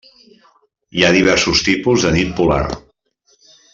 Hi ha diversos tipus de nit polar.